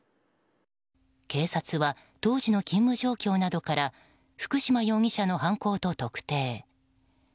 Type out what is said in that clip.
警察は当時の勤務状況などから福島容疑者の犯行と特定。